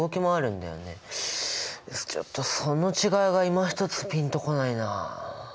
ちょっとその違いがいまひとつピンとこないな。